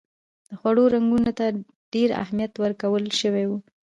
د خوړو رنګونو ته ډېر اهمیت ورکول شوی و.